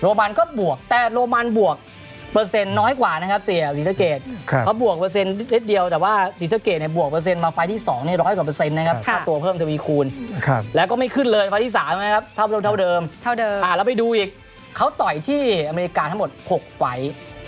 โรมันก็บวกแต่โรมันบวกเปอร์เซ็นต์น้อยกว่านะครับเสียศรีสะเกดเขาบวกเปอร์เซ็นต์นิดเดียวแต่ว่าศรีสะเกดเนี่ยบวกเปอร์เซ็นมาไฟล์ที่๒๑๐๐กว่าเปอร์เซ็นต์นะครับค่าตัวเพิ่มทวีคูณแล้วก็ไม่ขึ้นเลยไฟล์ที่๓นะครับเท่าเดิมเท่าเดิมเราไปดูอีกเขาต่อยที่อเมริกาทั้งหมด๖ไฟล์